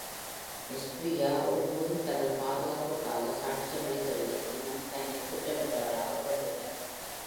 மெஸ்குவியா ஒருபோதும் தனது பாதுகாப்புக்காக சாட்சியமளிக்கவில்லை, இன்னும் தன்னில் குற்றமற்றவராகப் பேணுகிறார்.